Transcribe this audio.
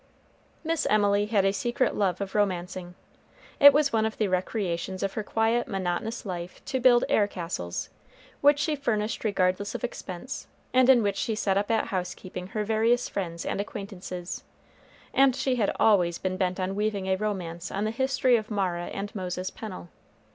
Miss Emily had a secret love of romancing. It was one of the recreations of her quiet, monotonous life to build air castles, which she furnished regardless of expense, and in which she set up at housekeeping her various friends and acquaintances, and she had always been bent on weaving a romance on the history of Mara and Moses Pennel.